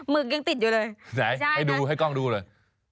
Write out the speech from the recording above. มือยังติดอยู่เลย